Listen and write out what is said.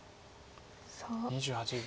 ２８秒。